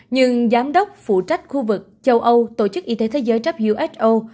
nhưng giám đốc phụ trách khu vực châu âu tổ chức y tế thế giới who